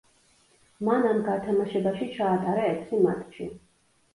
მან ამ გათამაშებაში ჩაატარა ექვსი მატჩი.